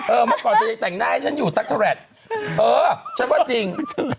เมื่อก่อนเธอยังแต่งหน้าให้ฉันอยู่ตั๊กเทอร์แรดเออฉันว่าจริง